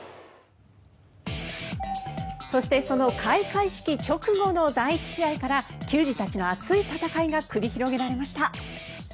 そしてその開会式直後の第１試合から球児たちの熱い戦いが繰り広げられました。